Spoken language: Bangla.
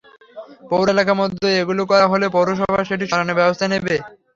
পৌর এলাকার মধ্যে এগুলো করা হলে পৌরসভা সেটি সরানোর ব্যবস্থা নেবে।